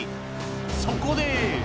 そこで。